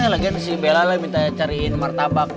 lagi si bella lah yang minta cariin martabak